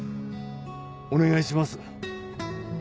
お願いします。